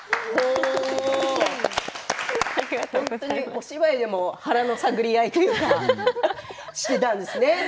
お芝居でも腹の探り合いというかしていたんですね。